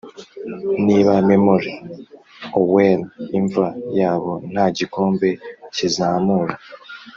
niba memory o'er imva yabo nta gikombe kizamura,